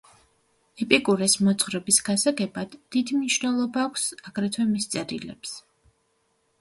ეპიკურეს მოძღვრების გასაგებად დიდი მნიშვნელობა აქვს, აგრეთვე მის წერილებს.